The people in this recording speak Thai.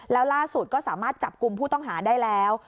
แล้วล่าสุดก็สามารถจับกลุ่มผู้ต้องหาได้แล้ว